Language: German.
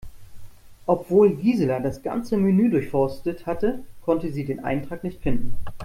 Obwohl Gisela das ganze Menü durchforstet hatte, konnte sie den Eintrag nicht finden.